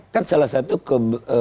kan salah satu ke